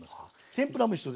天ぷらも一緒です。